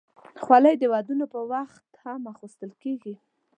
خولۍ د ودونو پر وخت هم اغوستل کېږي.